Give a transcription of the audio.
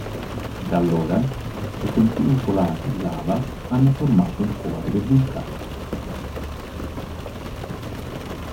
Da allora, le continue colate di lava hanno formato il cuore del vulcano.